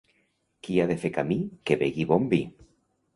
Qui ha de fer camí, que begui bon vi.